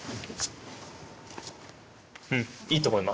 うん、いいと思います。